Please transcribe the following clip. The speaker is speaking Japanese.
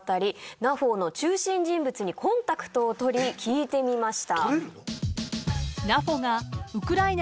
［ＮＡＦＯの中心人物にコンタクトを取り聞いてみた］